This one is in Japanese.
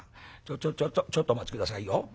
「ちょちょちょっとお待ち下さいよ。